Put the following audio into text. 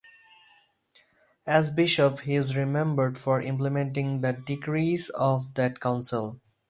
As bishop, he is remembered for implementing the decrees of that council.